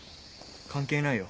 関係ないよ